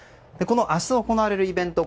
明日、行われるイベント